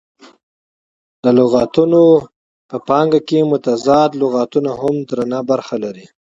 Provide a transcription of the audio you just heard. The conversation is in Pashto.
د لغتونه په پانګه کښي متضاد لغتونه هم درنه برخه لري.